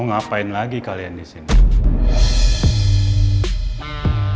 ngapain lagi kalian di sini